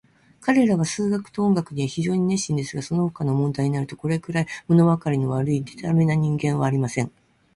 彼等は数学と音楽には非常に熱心ですが、そのほかの問題になると、これくらい、ものわかりの悪い、でたらめな人間はありません。